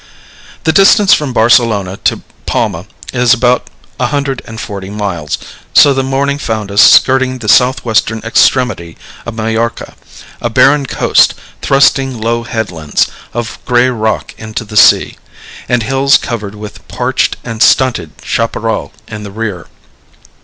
The distance from Barcelona to Palma is about a hundred and forty miles; so the morning found us skirting the southwestern extremity of Majorca, a barren coast, thrusting low headlands, of gray rock into the sea, and hills covered with parched and stunted chaparral in the rear.